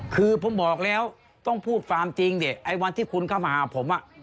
คือผมบอกแล้วต้องพูดความจริงดิไอ้วันที่คุณเข้ามาหาผม